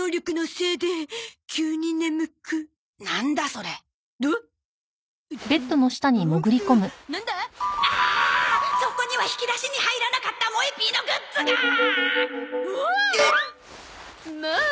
そこには引き出しに入らなかったもえ Ｐ のグッズが！おっ！